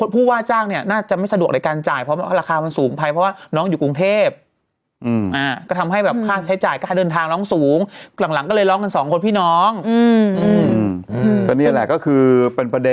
ป่าก็เห็นเลขที่คล้ายกันน่ะคือ๕๘๔